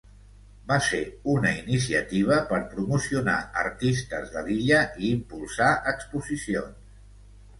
Va ser una iniciativa per promocionar artistes de l'illa i impulsar exposicions.